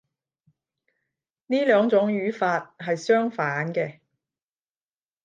呢兩種語法係相反嘅